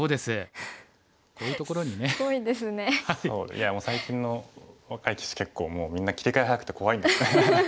いやもう最近の若い棋士結構みんな切り替え早くて怖いです。